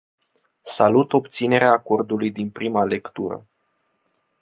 Salut obținerea acordului din prima lectură.